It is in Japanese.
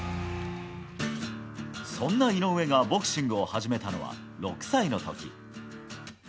そんな井上がボクシングを始めたのは６歳の時。